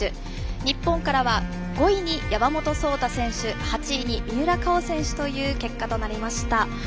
日本からは５位に山本草太選手８位に三浦佳生選手という結果となりました。